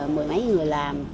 mười mấy người làm